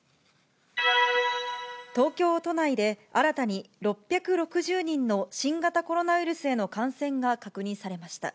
東京都内で、新たに６６０人の新型コロナウイルスへの感染が確認されました。